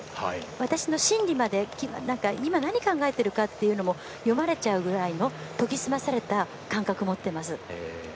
私の心理まで、今、何を考えているかっていうのも読まれちゃうぐらいの研ぎ澄まれた感覚を持っています。